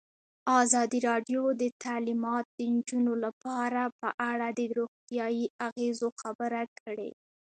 ازادي راډیو د تعلیمات د نجونو لپاره په اړه د روغتیایي اغېزو خبره کړې.